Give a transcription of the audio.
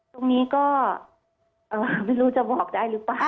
ตรงนี้ก็ไม่รู้จะบอกได้หรือเปล่า